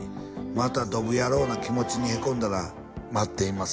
「またどぶ野郎な気持ちにへこんだら待っています」